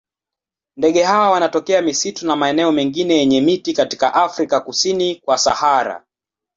Ndege hawa wanatokea misitu na maeneo mengine yenye miti katika Afrika kusini kwa Sahara.